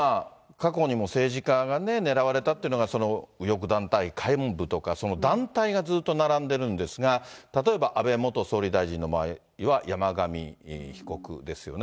過去にも政治家がね、狙われたっていうのが右翼団体とか、団体がずっと並んでるんですが、例えば安倍元総理大臣の場合は山上被告ですよね。